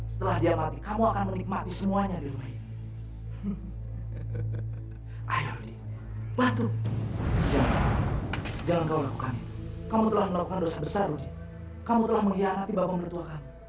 sampai jumpa di video selanjutnya